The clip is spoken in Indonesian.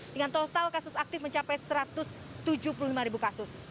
dengan total kasus aktif mencapai satu ratus tujuh puluh lima ribu kasus